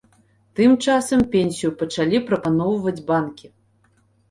Тым часам пенсію пачалі прапаноўваюць банкі.